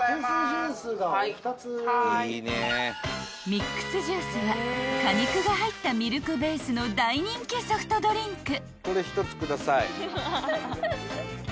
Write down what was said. ［ミックスジュースは果肉が入ったミルクベースの大人気ソフトドリンク］